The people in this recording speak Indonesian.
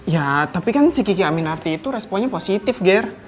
ya tapi kan si kiki aminati itu responnya positif ger